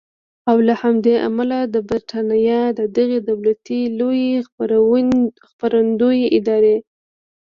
او له همدې امله د بریټانیا د دغې دولتي لویې خپرندویې ادارې